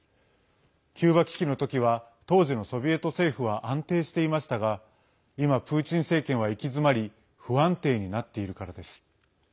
キューバ危機の時は当時のソビエト政府は安定していましたが今、プーチン政権は行き詰まり不安定になっているからです。